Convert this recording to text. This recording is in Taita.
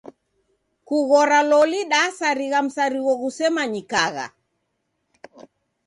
Kughora loli dasarigha msarigho ghusemanyikagha.